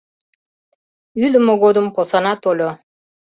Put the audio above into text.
Ӱдымӧ годым посана тольо.